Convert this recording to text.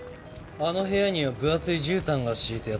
あの部屋には分厚いじゅうたんが敷いてあった。